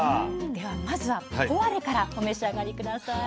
ではまずはポワレからお召し上がり下さい。